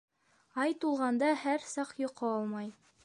Ай тулғанда һәр саҡ йоҡо алмай.